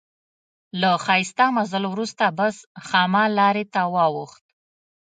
له ښایسته مزل وروسته بس خامه لارې ته واوښت.